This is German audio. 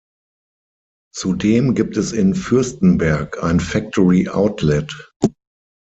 Zudem gibt es in Fürstenberg ein Factory Outlet.